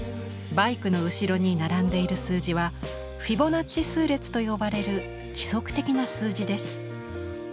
バイクの後ろに並んでいる数字は「フィボナッチ数列」と呼ばれる規則的な数字です。